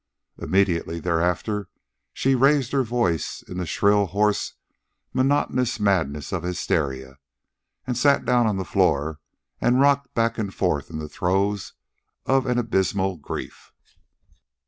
Immediately thereafter she raised her voice in the shrill, hoarse, monotonous madness of hysteria, sat down on the floor, and rocked back and forth in the throes of an abysmal grief.